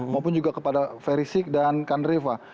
maupun juga kepada perisic dan kandreva